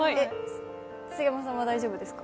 杉山さんは大丈夫ですか？